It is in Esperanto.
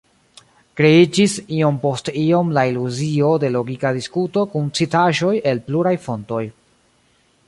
Kreiĝis iom post iom la iluzio de logika diskuto kun citaĵoj el pluraj fontoj.